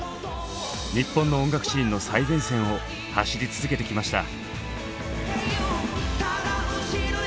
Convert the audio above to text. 日本の音楽シーンの最前線を走り続けてきました。